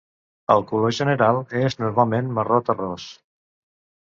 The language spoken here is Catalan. El color general és normalment marró terrós.